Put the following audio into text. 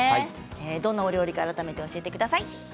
どんなお料理か改めて教えてください。